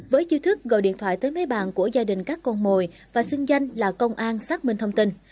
với chiêu thức gọi điện thoại tới mấy bàn của gia đình các con mồi và xưng danh là công an xác minh thông tin